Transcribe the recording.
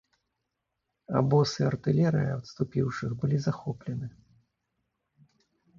Абоз і артылерыя адступіўшых былі захоплены.